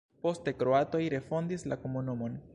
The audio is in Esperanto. Poste kroatoj refondis la komunumon.